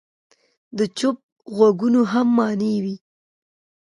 د چوپ ږغونو هم معنی وي.